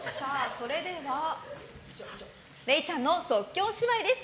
それではれいちゃんの即興芝居です。